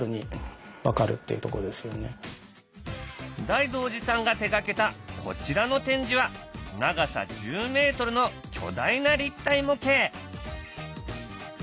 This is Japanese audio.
大道寺さんが手がけたこちらの展示は長さ１０ｍの巨大な立体模型！